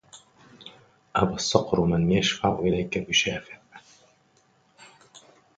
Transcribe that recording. أبا الصقر من يشفع إليك بشافع